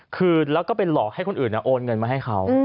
คือแล้วก็ไปหลอกให้คนอื่นโอนเงินมาให้เขา